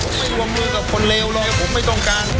ผมไม่รวมมือกับคนเลวเลยผมไม่ต้องการ